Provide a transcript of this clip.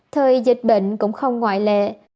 thời dịch bệnh cũng không ngoại lệ